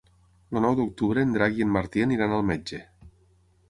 El nou d'octubre en Drac i en Martí aniran al metge.